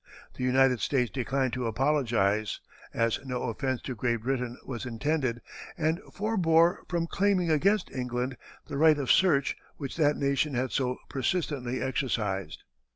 The United States declined to apologize, as no offence to Great Britain was intended, and forbore from claiming against England the right of search which that nation had so persistently exercised.